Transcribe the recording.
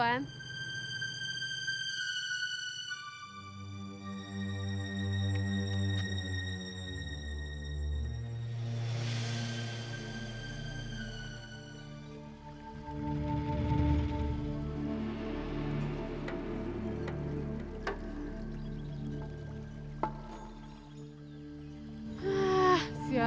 aku akan melihatnya